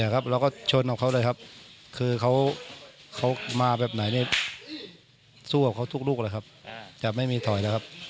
๓๔ครับแล้วก็ชนกับเขาเลยครับคือเขามาแบบไหนเนี่ยสู้กับเขาทุกลูกเลยครับจะไม่มีถอยนะครับ